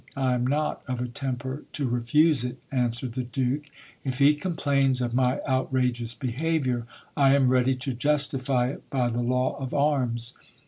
I am not of a temper to refuse it, answered the Duke. If he complains of my outrageous behaviour, I am ready to justify it by the law of arms.